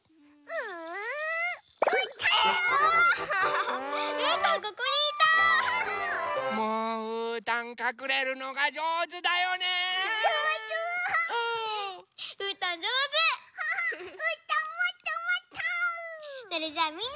うーたん